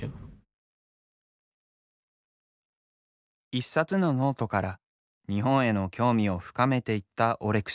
一冊のノートから日本への興味を深めていったオレクシーさん。